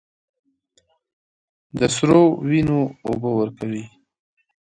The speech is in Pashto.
د سرو، وینو اوبه ورکوي